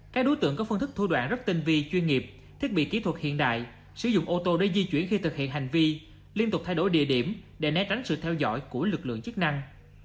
các đối tượng có phương thức thu đoạn rất tinh vi chuyên nghiệp thiết bị kỹ thuật hiện đại sử dụng ô tô để di chuyển khi thực hiện hành vi liên tục thay đổi địa điểm để né tránh sự theo dõi của lực lượng chức năng